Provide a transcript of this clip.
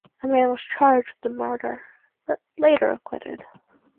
A man was charged with the murder but later acquitted.